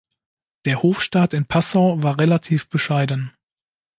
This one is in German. Der Hofstaat in Passau war relativ bescheiden.